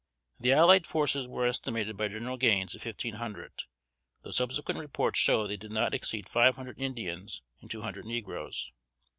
The allied forces were estimated by General Gaines at fifteen hundred, though subsequent reports show they did not exceed five hundred Indians and two hundred negroes.